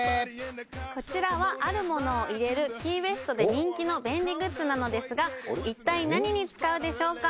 こちらはあるものを入れるキーウェストで人気の便利グッズなのですが一体何に使うでしょうか？